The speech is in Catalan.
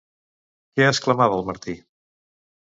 Què exclamava el Martí?